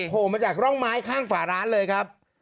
โผล่มาจากร่องไม้ข้างฝาร้านเลยครับ